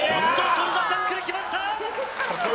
ショルダータックル決まったー！